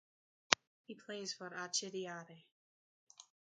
He plays for Acireale.